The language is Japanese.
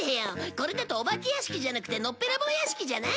これだとお化け屋敷じゃなくてノッペラボウ屋敷じゃない？